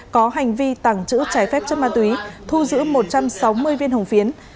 có hành vi tàng trữ trái phép chất ma túy thu giữ một trăm sáu mươi viên hồng phiến